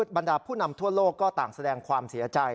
บรรดาผู้นำทั่วโลกก็ต่างแสดงความเสียใจ